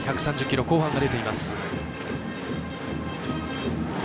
１３０キロ後半が出ています。